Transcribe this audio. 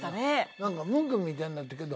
なんかムンクみたいになってたけど。